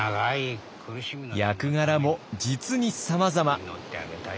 役柄も実にさまざま。